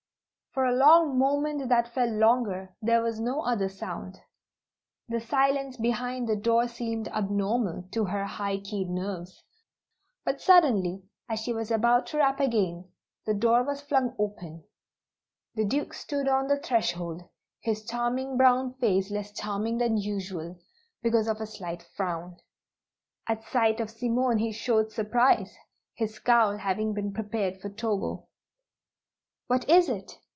For a long moment that felt longer there was no other sound. The silence behind the door seemed abnormal to her high keyed nerves. But suddenly, as she was about to rap again, the door was flung open. The Duke stood on the threshold, his charming brown face less charming than usual, because of a slight frown. At sight of Simone he showed surprise, his scowl having been prepared for Togo. "What is it?